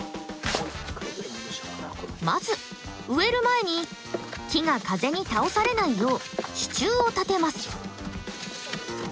まず植える前に木が風に倒されないよう支柱を立てます。